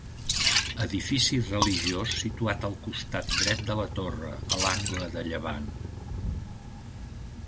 Edifici religiós situat al costat dret de la torre, a l'angle de Llevant.